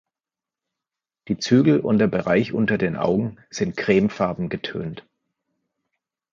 Die Zügel und der Bereich unter den Augen sind cremefarben getönt.